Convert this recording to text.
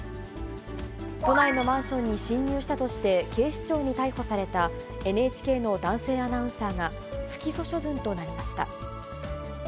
都内のマンションに侵入したとして、警視庁に逮捕されたＮＨＫの男性アナウンサーが、不起訴処分となりました。